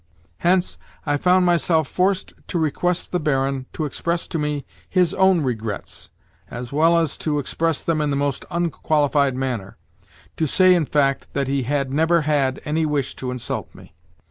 Hence, I found myself forced to request the Baron to express to me his own regrets, as well as to express them in the most unqualified manner—to say, in fact, that he had never had any wish to insult me.